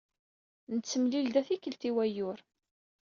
Nettemlili da tikkelt i wayyur.